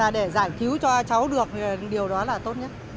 để giải cứu cho cháu được điều đó là tốt nhất